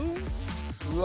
うわ！